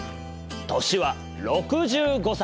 年は６５歳。